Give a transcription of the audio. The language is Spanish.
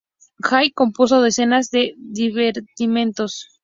Haydn compuso decenas de divertimentos.